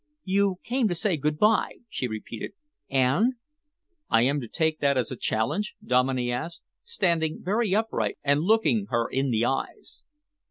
"You came to say good bye," she repeated, "and?" "I am to take that as a challenge?" Dominey asked, standing very upright and looking her in the eyes.